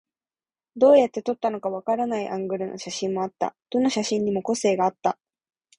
どうやって撮ったのかわからないアングルの写真もあった。どの写真にも個性があった。